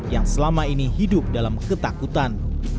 yang selama ini hidup dalam ketakutan